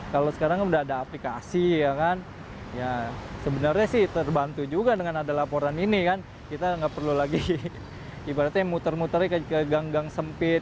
kalau sekarang udah ada aplikasi ya kan ya sebenarnya sih terbantu juga dengan ada laporan ini kan kita nggak perlu lagi ibaratnya muter muternya ke gang gang sempit